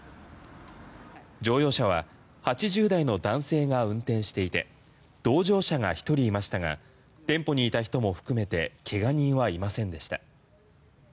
乗用車は８０代の男性が運転していて同乗者が１人いましたが店舗にいた人も含めて怪我人はいませんでした。